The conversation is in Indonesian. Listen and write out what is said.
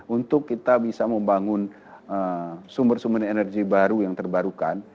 untuk kita bisa membangun sumber sumber energi baru yang terbarukan